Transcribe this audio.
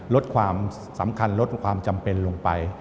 ลดความสำคัญลดความจำเป็นลงไป